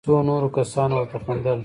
څو نورو کسانو ورته خندل.